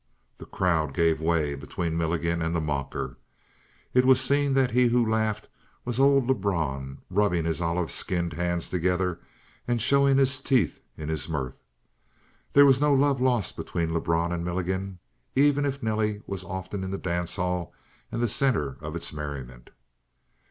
The crowd gave way between Milligan and the mocker. It was seen that he who laughed was old Lebrun, rubbing his olive skinned hands together and showing his teeth in his mirth. There was no love lost between Lebrun and Milligan, even if Nelly was often in the dance hall and the center of its merriment.